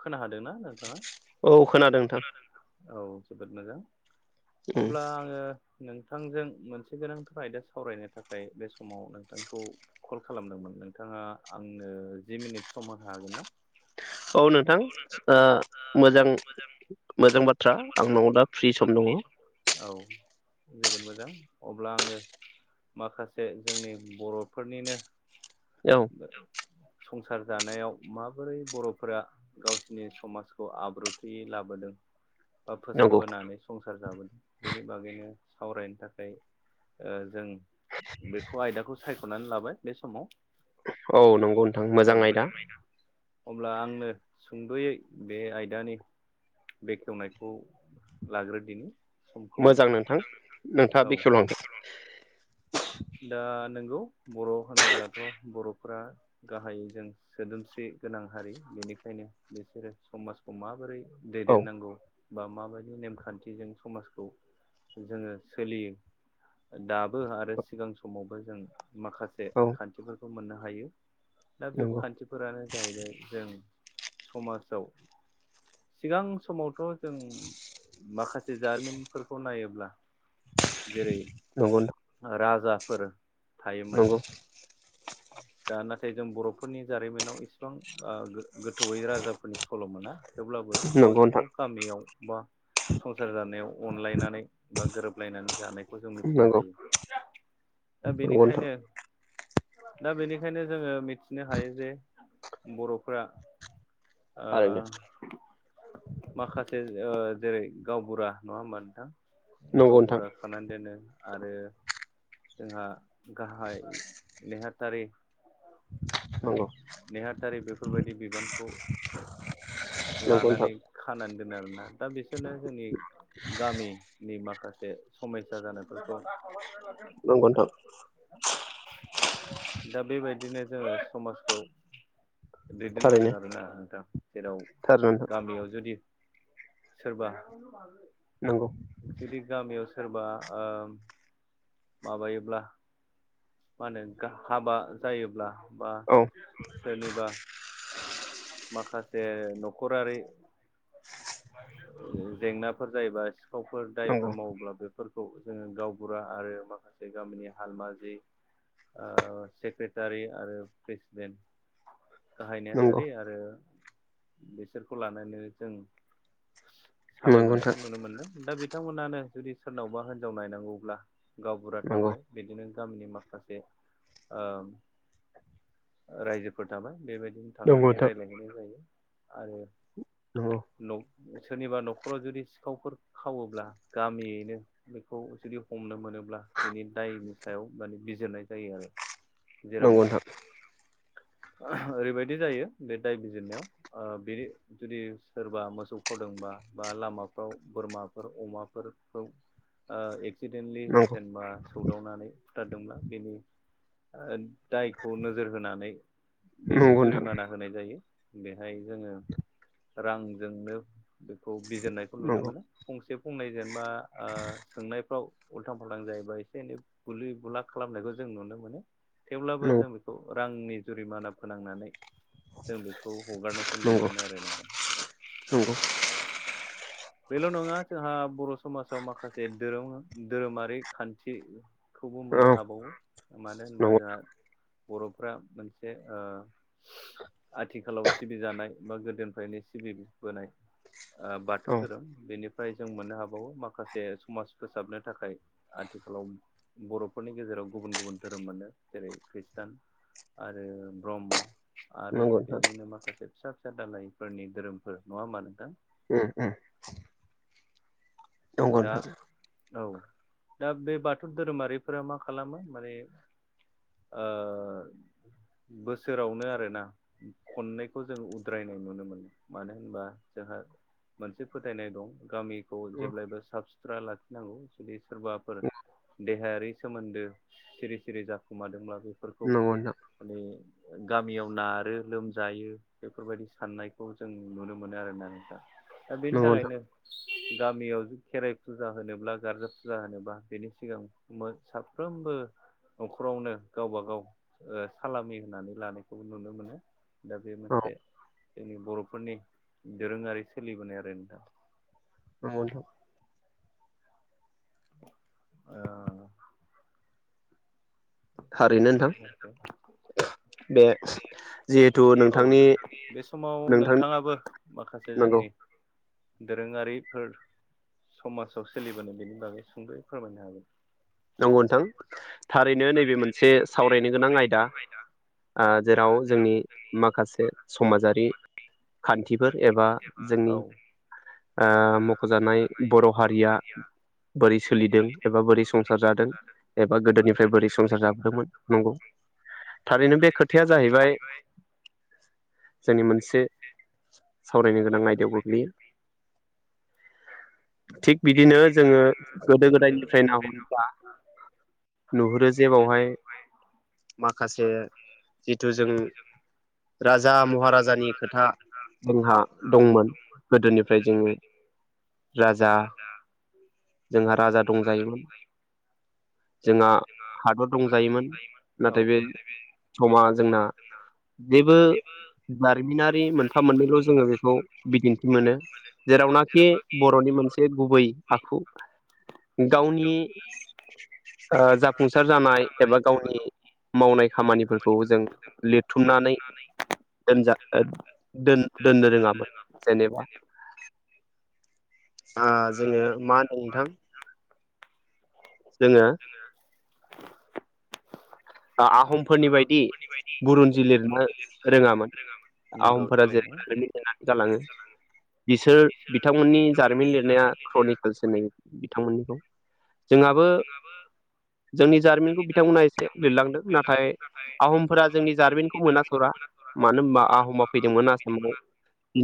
खोना हादोंना नोंथाङा औ खोनादों नोंथां औ जोबोद मोजां अब्ला आङो नोंथांजों मोनसे गोनांथार आयदा सावरायनो थाखाय बे समाव नोंथांखौ कल खालामदोंमोन नोंथाङा आंनो जि मिनिट सम होनो हागोन ना औ नोंथां मोजां मोजां बाथ्रा आंनाव दा फ्रि सम दङ औ जोबोद मोजां अब्ला आङो माखासे जोंनि बर'फोरनिनो औ संसार जानायाव माबोरै बर'फोरा गावसिनि समाजखौ आब्रुथियै लाबोदों बा फोसाबबोनानै संसार जाबोदों बेनि बागैनो सावरायनो थाखाय जों बेखौ आयदाखौ सायखनानै लाबाय बे समाव औ नंगौ नोंथां मोजां आयदा अब्ला आंनो सुंद'यै बे आयदानिओ बेखेवनायखौ लाग्रोदिनि ओ मोजां नोंथां नोंथाङा बेखेवलां दा नोंगौ बर' होनोब्लाथ बर'फोरा गाहायै जों सोदोमस्रि गोनां हारि बेनिखायनो बिसोरो समाजखौ माबोरैहा दैदेननांगौ। बा माबादि नेमखान्थिजों समाजखौ जोङो सोलियो दाबो आरो ओ सिगां समावबो जों माखासे खान्थिफोरखौ मोननो हायो दा बे खान्थिआ फोरानो जाहैबाय जों समाजाव सिगां समावथ' जों माखासे जारिमिनफोरखौ नायोब्ला जेरै औ नंगौ नोंथां। आ राजाफोर थायोमोन दा नाथाय जों बर'फोरनि जारिमिनाव इसेबां गोथौयै राजाफोरनि सल' मोना थेवब्लाबो गावजों गाव गामियाव बा ओ ओ संसार जानायाव अनलायनानै बा गोरोबलायनानै जानायखौ जों मिथिनो हायो। ओ दा बेनिखायनो दा बेनिखायनो जोङो मिथिनो हायो जे बर'फ्रा ओ माखासे ओ जेरै गावबुरा नङा होमबा नोंथां? गावबुरा खानानै दोनो आरो ओ। जोंहा गाहाय नेहाथारि नेहाथारि बेफोरबादि बिबानखौ लानानै खानानै दोनो आरोना दा बिसोरनो जोंनि गामिनि माखासे समयसा जानायफोरखौओ दा बेबादिनो जोङो समाजखौ दैदेनबोदों आरोना नोंथां जेराव गामियाव जुदिओ सोरबा जुदि गामियाव सोरबा ओ माबायोब्ला मा होनो हाबा जायोब्ला बा सोरनिबाया माखासे न'खरारिओ जेंनाफोर जायोबाओ सिखावफोर दायफोर मावोब्ला बेफोरखौ जोङो गावबुरा आरो माखासे गामिनि हालमा ओ सेक्रेटारि आरो प्रेसिडेन्टा गाहाय नेहाथारि आरो ओ बिसोरखौ लानानै जों सालायबोनायखौ नुनो मोनदों दा बिथांमोनानो जुदि सोरनावबा हिनजाव नायनांगौब्ला गावबुरा थाबाय बिदिनो गामिनि माखासे माखासे ओ रायजोफोर थाबाय बेबादिनो थांनानै रायज्लायहैनाय जायो आरो नंगौ। सोरनिबा न'खराव जुदि सिखावफोर खावोब्ला गामियैनो बेखौ जुदि हमनो मोनोब्ला बिनि दायनि सायाव माने बिजिरनाय जायो आरो जेराव ओरैबायदि जायो बे दाय बिजिरनायाव ओ बेओ जुदि सोरबा मोसौ खावदोंबा बा लामाफ्राव बोरमाफोर अमाफोरखौ। [inaudible] आ एक्सिडेन्टलि जेनेबा सौदावनानै बुथारदोंब्ला बेनिनो दायखौ नोजोर होनानै बेनो जुरिमाना होनाय जायो बेहाय जोङो रांजोंनो बेखौ बिजिरनाय खौ नुनो मोनो। फंसे फंनै जेनेबा ओ सोंनायफ्राव उल्थां फाल्थां जायोबा एसे एनै बुलि बुला खालामनायखौ जों नुनो मोनो थेवब्लाबो जों बेखौ रांनि जुरिमाना फोनांनानै जों बेखौ हगारनायखौ नुनो मोनो आरो नोंथां। नंगौ बेल' नङा जोंहा बर' समाजाव माखासे दोरोम दोरोमारि खानथि खौबो मोननो हाबावो मानो होनबा जोंहा बर'फ्रा मोनसे ओ आथिखालाव सिबिजानाय बा गोदोनिफ्रायनो सिबिबोनाय ओ बा थौ दोरोम बेनिफ्राय जों मोननो हाबावो माखासे समाज फोसाबनो थाखाय आथिखालाव बर'फोरनि गेजेराव गुबुन गुबुन दोरोम मोनो जेरै खृष्टान आरो ब्रह्म आरो बिनिनो माखासे फिसा फिसा दालायफोरनि दोरोमफोर नङा होमा नोंथां उम उम दा औ दा बे बाथौ धोरोमारिफोरा मा खालामो माने ओ बोसोरावनो आरोना खननैखौ जों उद्रायनाय नुनो मोनो मानो होनबा जोंहा मोनसे फोथायनाय दं गामिखौ जेब्लायबो साफ सुथ्रा लाखिनांगौ जुदि सोरबाफोर दे हायारि सोमोन्दो सिरि सिरि जाखुमादोंब्ला बेफोरखौ माने गामियाव नारो लोमजायो बेफोरबायदि साननायखौ जों नुनो मोनो आरोना नोंथा दा बेनि थाखायनो गामियाव खेराइ फुजा होनोब्ला गारजा फुजा होनोब्ला बेनि सिगां मो साफ्रोमबो न'खरावनो गावबा गाव ओ सालामि होनानै लानायखौबो नुनो मोनो। दा बे मोनसे जोंनि बर'फोरनि दोरोङारि सोलिबोनाय आरो नोंथां। नंगौ नोंथां [unintelligible] ओ कय मिनिट जाखोथाय थारैनो नोंथां [unintelligible] बे औ बे समाव नोंथाङाबो माखासे जोंनि दोरोङारिफोर समाजाव सोलिबोनाय बेनि बागै सुंद'यै फोरमायनो हागोन। नंगौ नोंथां थारैनो नैबे मोनसे सावरायनो गोनां आयदा ओ जेराव जोंनि माखासे समाजारि खान्थिफोर एबा जोंनि ओ मख'जानाय बर' हारिया बोरै सोलिदों एबा बोरै संसार जादों एबा गोदोनिफ्राय बोरै संसार जाबोदोंमोन नंगौ। थारैनो बे खोथाया जाहैबाय जोंनि मोनसे सावरायनो गोनां आयदायाव गोग्लैयो। [inaudible] थिग बिदिनो जोङो गोदो गोदायनिफ्राय नाहरोब्ला नुहुरो जे बावहाय माखासे जिथु जों राजा महाराजानि खोथा जोंहा दंमोन गोदोनिफ्राय जोङो राजा जोंहा राजा दंजायोमोन जोंहा हादर दंजायोमोन नाथाय बे समा जोंना जेबो जारिमिनारि मोनफा मोननैल' जोङो बेखौ बिदिन्थि मोनो जेरावनाखि बर'नि मोनसे गुबै आखु गावनि ओ जाफुंसार जानाय एबा गावनि मावनाय खामानिफोरखौ जों लिरथुमनानै दोनजा दोननो रोङामोन जेनेबा जोङो मा होनदों नोंथां जोङो [unintelligible] [inaudible] आ आहमफोरनि बायदि बुरन्जि लिरनो रोङामोन आहमफोरा जेरैमोन जालाङो बिसोर बिथांमोननि जारिमिन लिरनाया क्रनिकेल्स होननाय बिथांमोननिखौ जोंहाबो जोंनि जारिमिनखौ बिथांमोना एसे लिरलांदों नाथाय आहमफोरा जोंनि जारिमिनखौ मोना सरा मानो होनबा आहमा फैदोंमोन। आसामाव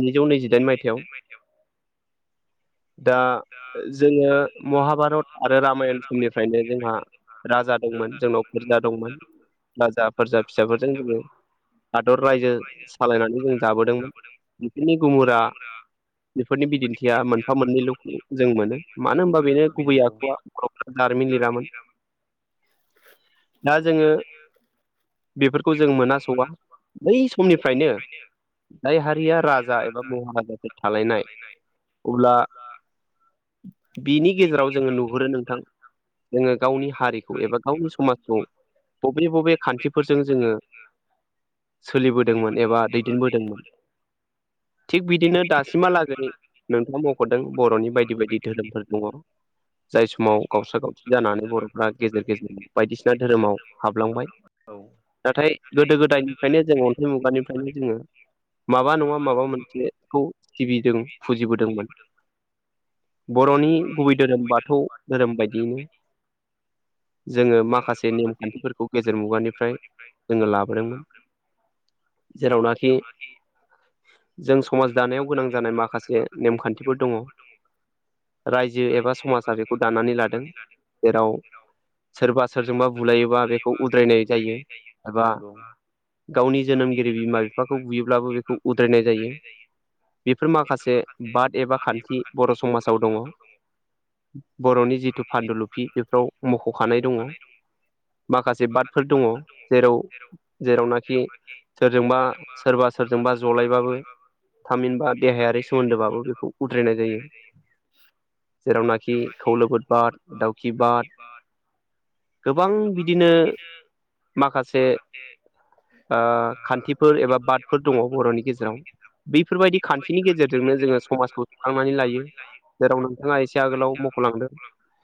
जिजौ नैजिदाइन मायथाइयाव। दा जोङो महाभारत आरो रामायण समनिफ्रायनो जोंहा राजा दंमोन जोंनाव फोरजा दंमोन राजा फोरजा फिसाफोरजों जोङो हादर रायजो सालायनानै जों जाबोदोंमोन बिसोरनि गुमुरा बेफोरनि बिदिन्थिया मोनफा मोननै [unintelligible] जों मोनो मानो होनबा बेनो गुबै आखुआ बर'फ्रा जारिमिन लिरामोन। दा जोंङो बेफोरखौ जों मोनासौवा बै समनिफ्रायनो जाय हारिया राजा एबा महाराजाफोर थालायनाय अब्ला बिनि गेजेराव जोङो नुहुरो नोंथां जोङो गावनि हारिखौ एबा गावनि समाज बबे बबे खान्थिफोरजों जोङो सोलिबोदोंमोन एबा दैदेनबोदोंमोन। थिग बिदिनो दासिमहालागै नोंथाङा मख'दों बर'नि बायदि बायदि धोरोमफोर दङ। जाय समाव गावस्रारा गावस्रि जानानै बर'फ्रा गेजेर गेजेर बायदिसि ना धोरोमाव हाबलांबाय। नाथाय गोदो गोदायनिफ्रायनो जों अन्थाइ मुगानिफ्रायनो जोङो माबा नङा माबा मोनसेखौ सिबि जों फुजिबोदोंमोन। बर'नि गुबै धोरोम बाथौ धोरोम बायदियैनो जोङो माखासे नेमखान्थिफोरखौ गेजेर मुगानिफ्राय जोङो लाबोदोंमोन। जेरावनाखि जों समाज दानायाव गोनां जानाय माखासे नेमखान्थिफोर दङ। रायजो एबा समाजा बेखौ दानानै लादों जेराव सोरबा सोरजोंबा बुलायोबा बेखौ उद्रायनाय जायो एबा गावनि जोनोमगिरि बिमा बिफाखौ बुयोब्लाबो बेखौ उद्रा यो बेफोर माखासे बाद एबा खान्थि बर' समाजाव दङ। बर'नि जिथु फान्दुलुफि बेफोराव मख'खानाय दङ। माखासे बादफोर दङ जेराव जेरावनाखि सोरजोंबा सोरबा सोरजोंबा जलायबा बो थामिनबा देहायारि सोमोन्दोबो बेखौ उद्रायनाय जायो। जेरावनाखि खौलोबोद बाद दाउखि बाद गोबां बिदिनो माखासे ओ खान्थिफोर एबा बादफोर दङ बर'नि गेजेराव। बैफोरबायदि खान्थिनि गेजेरजोंनो जोङो समाजखौ थिखांनानै लायो जेराव नोंथाङा एसे आगोलाव मख'लांदों। [unintelligible]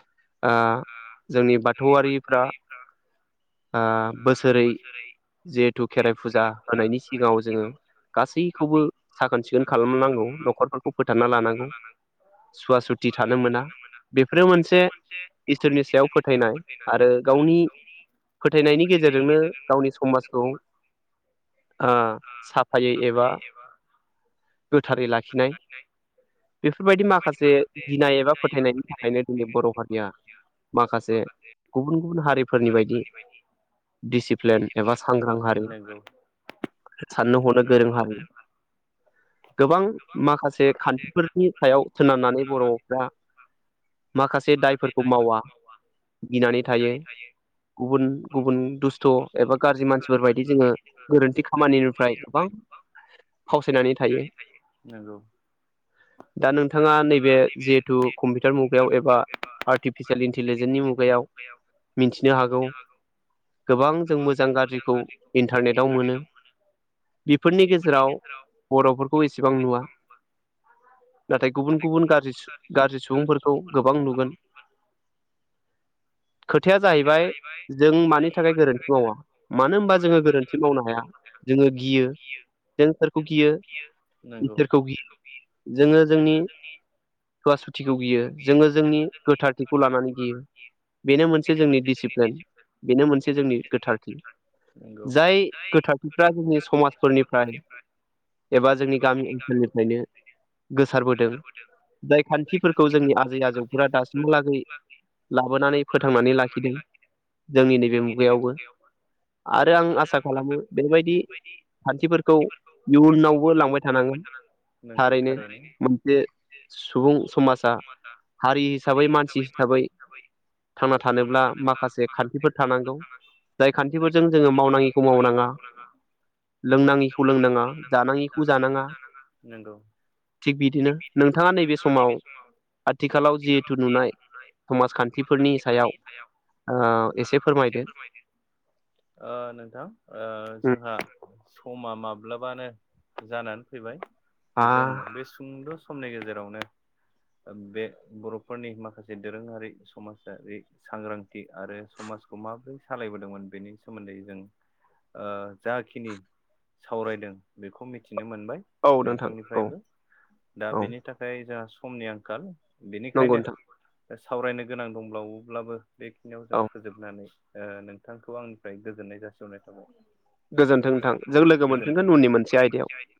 जोंनि बाथौआरि [unintelligible] फ्रा बोसोरै जिहेथु खेराइ फुजा होननि सिगाङाव सो गासैखौबो साखोन सिखोन खालाम नांगौ नखरफोरखौ फोसाबना लानांगौ। सुवा सुथि थानो मोना बेफोरो मोनसे इसोरनि सायाव फोथायनाय आरो गावनि फोथायनायनि गेजेरजोंनो गावनि समाजखौ ओ साब साफायै एबा गोथारै लाखिनाय बेफोरबायदि माखासे गिनाय एबा फोथायनायनि थाखायनो दिनै बर' हारिया माखासे गुबुन गुबुन हारि फोरनि बायदि दिसिप्लेन एबा सांग्रां हारि साननो हरनो गोरों हारि गोबां माखासे खान्थिफोरनि सायाव सोनारनानै बर'फ्रा माखासे दायफोरखौ मावा गिनानै थायो गुबुन गुबुन दुस्थ एबा गाज्रि मानसिफोर बायदि जोङो गोरोन्थि खामानिनिफ्राय गोबां गोबां उनफिननानै थायो नंगौ दा नोंथाङा नैबे जिहेथु कम्पि टार मुगायाव एबा आर्टिफिसियेल इन्टिलिजेन्सनि मुगायाव मिनथिनो हागौ गोबां जों मोजां गाज्रिखौ इन्टारनेटाव मोनो इफोरनि गेजेराव बर'फोरखौ एसेबां नुवा नाथाय गुबुन गुबुन गारजि गाज्रि सुबुंफोरखौ गोबां नुगोन खोथाया जाहैबाय जों मानि थाखाय गोरोन्थि मावा मानो होनबा जोङो गोरोन्थि मावनो हाया जोङो गियो जों सोरखौ गियो इसोरखौ गियो जोङो जोंनि सुवा सुथिखौ गियो जोङो जोंनि गोथारथिखौ लानानै गियो बेनो मोनसे जोंनि डिसिप्लिन बेनो मोनसे जोंनि गोथारखि जाय गोथार फ्रा जोंनि समाजफोरनिफ्राय एबा जोंनि गामि ओनसोलनिफ्रायनो गोसारबोदों जाय खान्थिफोरखौ जोंनि आजै आजौफोरा दासिमहालागै लाबोनानै फोथांनानै लाखिदों जोंनि नैबे मुगायावबो आरो आं आसा खालामो बेबायदि खान्थिफोरखौ इयुनावबो लांबाय थानांगोन थारैनो मोनसे सुबुं समाजा हारि हिसाबै मानसि हिसाबै थांना थानोब्ला माखासे खान्थिफोर थानांगौ जाय खान्थिफोरजों जोङो मावनाङिखौ मावनाङा लोंनाङिखौ लोंनाङा जानाङिखौ जानाङा थिग बिदिनो नोंथाङा नैबे समाव आथिखालाव जिहेथु नुनाय समाजखान समाजखान्थिफोरनि सायाव एसे फोरमायदों ओ नोंथां ओ जोंहा समा माब्लाबानो जानानै फैबाय जों बे सुंद' समनि गेजेरावनो बे बर'फोरनि माखासे दोरोङारि समाजारि सांग्रांथि आरो समाजखौ माबोरै सालायबोदोंमोन बेनि सोमोन्दै जों ओ जाखिनि सावरायदों बेखौ मिथिनो मोनबाय नोंथांनिफ्रायबो दा बेनि थाखाय जोंहा समनि आंखाल बेनिखायनो सावरायनो गोनां दंबावोब्लाबो बेखिनियाव जों फोजोबनानै ओ नोंथांखौ आंनिफ्राय गोजोननाय जासिहरनाय थाबाय गोजोनथों नोंथां गोजोन्थों फिन लोगो मोनफिनगोन उननि मोनसे आयदायाव